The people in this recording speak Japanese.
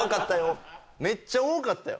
めっちゃ多かったよ。